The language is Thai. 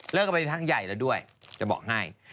เลิกไปทั้งใหญ่แล้วด้วยจะบอกง่าย